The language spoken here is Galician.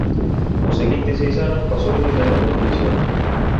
O seguintes seis anos pasounos de novo en prisión.